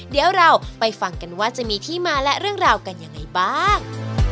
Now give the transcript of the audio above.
เดี๋ยวเราไปฟังกันว่าจะมีที่มาและเรื่องราวกันยังไงบ้าง